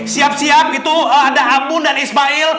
siap siap itu ada apun dan ismail